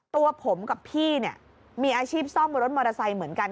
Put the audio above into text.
ตัวผมกับพี่เนี่ยมีอาชีพซ่อมรถมอเตอร์ไซค์เหมือนกัน